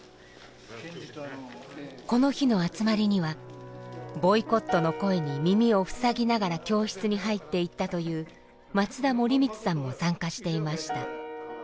この日の集まりにはボイコットの声に耳を塞ぎながら教室に入っていったという松田盛光さんも参加していました。